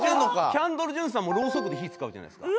キャンドル・ジュンさんもロウソクで火使うじゃないですか。